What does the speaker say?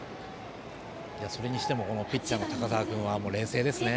それにしてもピッチャーの高澤君は冷静ですね。